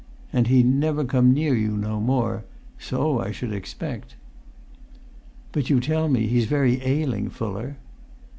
And he never come near you no more; so I should expect." "But you tell me he's very ailing, Fuller."